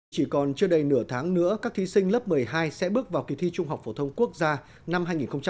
chỉ còn chưa đầy nửa tháng nữa các thí sinh lớp một mươi hai sẽ bước vào kỳ thi trung học phổ thông quốc gia năm hai nghìn một mươi chín